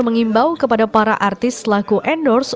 mengimbau kepada para artis selaku endorse